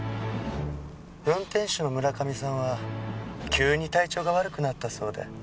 運転手の村上さんは急に体調が悪くなったそうで。